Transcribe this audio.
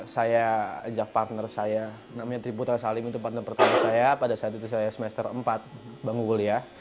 saya ajak partner saya namanya triputra salim itu partner pertama saya pada saat itu saya semester empat bangun kuliah